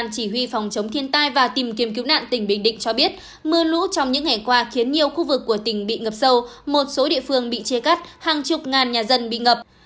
chỉ huy phòng chống thiên tai và tìm kiếm cứu nạn tỉnh bình định cho biết mưa lũ trong những ngày qua khiến nhiều khu vực của tỉnh bị ngập sâu một số địa phương bị chia cắt hàng chục ngàn nhà dân bị ngập